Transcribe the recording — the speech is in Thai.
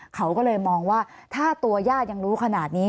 เขาก็เลยมองว่าถ้าตัวญาติยังรู้ขนาดนี้